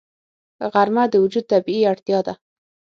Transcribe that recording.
غرمه د وجود طبیعي اړتیا ده